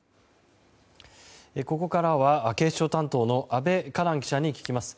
ここからは警視庁担当の阿部佳南記者に聞きます。